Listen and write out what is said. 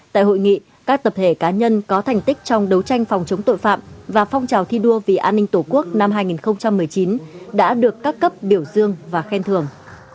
tại hội nghị các tập thể cá nhân có thành tích trong đấu tranh phòng chống tội phạm và phong trào thi đua vì an ninh tổ quốc năm hai nghìn một mươi chín đã được các cấp biểu dương và khen thưởng